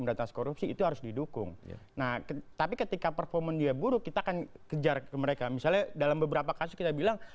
beratas korupsi itu harus didukung nah tapi ketika performa dia buruk kita akan kejar ke mereka misalnya dalam beberapa kasus kita bilang